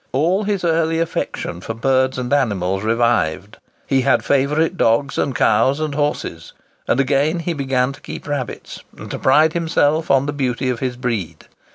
All his early affection for birds and animals revived. He had favourite dogs, and cows, and horses; and again he began to keep rabbits, and to pride himself on the beauty of his breed.